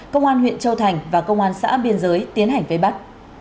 công an huyện châu thành và công an xã biên giới tiến hành vây bắt